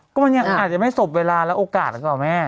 ก็มันยังอาจจะไม่สบเวลาและโอกาสหรือเปล่าแม่